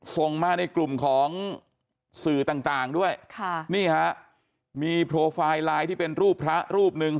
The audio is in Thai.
ส่งมาในกลุ่มของสื่อต่างด้วยค่ะนี่ฮะมีโปรไฟล์ไลน์ที่เป็นรูปพระรูปหนึ่ง